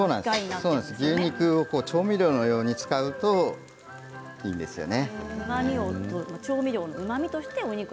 牛肉を調味料のように使うといいんですよね。